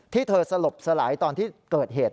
ที่เธอสลบสลายตอนที่เกิดเหตุ